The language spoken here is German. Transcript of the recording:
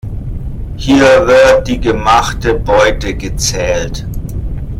Hier wird die gemachte Beute gezählt.